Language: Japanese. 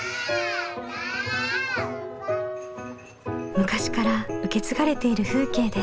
昔から受け継がれている風景です。